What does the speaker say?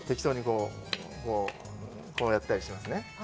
こうこうこうやったりしますね。